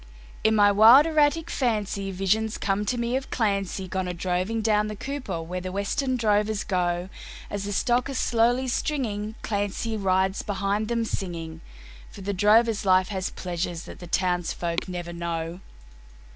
In my wild erratic fancy visions come to me of Clancy Gone a droving "down the Cooper" where the Western drovers go; As the stock are slowly stringing, Clancy rides behind them singing, For the drover's life has pleasures that the townsfolk never know.